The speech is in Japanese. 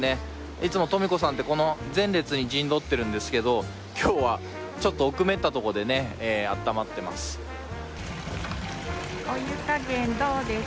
いつもトミコさんってこの前列に陣取ってるんですけど、きょうはちょっと奥まった所であったまってます。